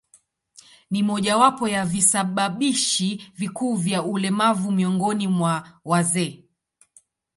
Ni mojawapo ya visababishi vikuu vya ulemavu miongoni mwa wazee.